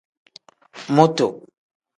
Mutu.